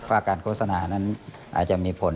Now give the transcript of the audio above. ว่าการโฆษณานั้นอาจจะมีผล